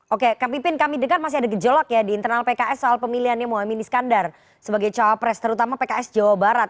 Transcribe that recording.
oke kak pipin kami dengar masih ada gejolok ya di internal pks soal pemilihannya muhammad minis kandar sebagai capres terutama pks jawa barat